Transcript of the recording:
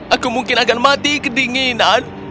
aku mungkin akan mati kedinginan